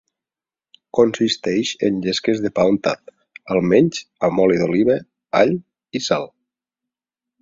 Consisteix en llesques de pa untat, almenys, amb oli d’oliva, all i sal.